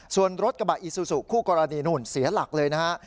ส่วนรถกระบะอีซูซูคู่กรณีนู่นเสียหลักเลยนะฮะ